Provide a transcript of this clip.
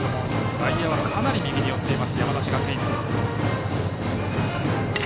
外野はかなり右に寄っています。